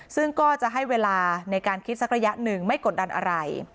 ซึ่งก็จะให้เวลาในการคิดสักระยะหนึ่งไม่กดดันอะไร